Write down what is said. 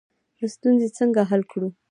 ستونزې څنګه حل کړو؟